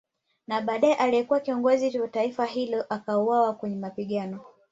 Na badae aliyekuwa kiongozi wa taifa hilo akauwawa kwenye mapigano